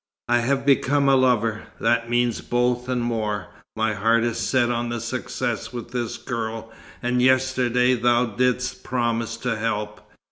"I have become a lover. That means both and more. My heart is set on success with this girl: and yesterday thou didst promise to help.